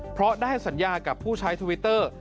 เพราะได้สัญญากับผู้ใช้ทวิตเตอร์